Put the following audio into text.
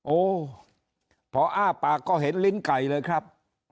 โอ้พออ้าปากก็เห็นลิ้นไก่เลยครับ